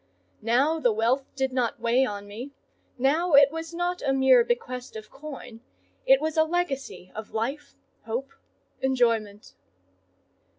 Now the wealth did not weigh on me: now it was not a mere bequest of coin,—it was a legacy of life, hope, enjoyment.